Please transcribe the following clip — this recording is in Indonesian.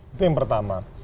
itu yang pertama